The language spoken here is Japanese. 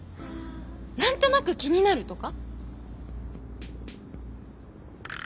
何となく気になるとか？